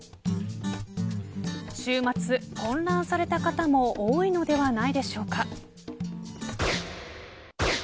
週末、混乱された方も多いのではないでしょうか。